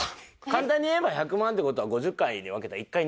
簡単に言えば１００万って事は５０回で分けたら１回２万やろ？